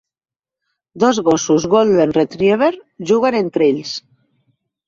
Dos gossos Golden Retriever juguen entre ells.